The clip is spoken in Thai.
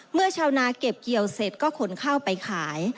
ชาวนาเก็บเกี่ยวเสร็จก็ขนข้าวไปขาย